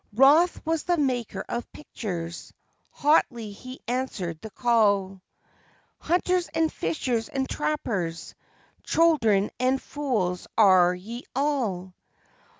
Wroth was that maker of pictures hotly he answered the call: "Hunters and fishers and trappers, children and fools are ye all!